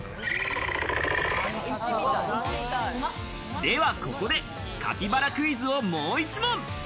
ではここでカピバラクイズをもう１問。